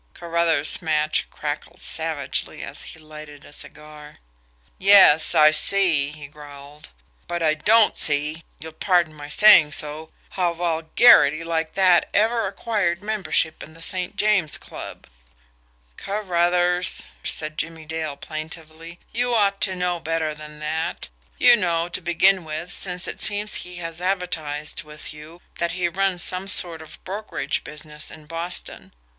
Carruthers' match crackled savagely as he lighted a cigar. "Yes, I see," he growled. "But I don't see you'll pardon my saying so how vulgarity like that ever acquired membership in the St. James Club." "Carruthers," said Jimmie Dale plaintively, "you ought to know better than that. You know, to begin with, since it seems he has advertised with you, that he runs some sort of brokerage business in Boston.